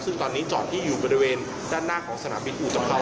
ซึ่งตอนนี้จอดที่อยู่บริเวณด้านหน้าของสนามบินอุตภัว